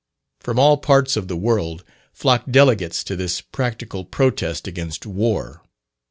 From all parts of the world flocked delegates to this practical protest against war.